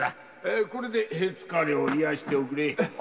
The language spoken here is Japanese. これで疲れをいやしておくれ。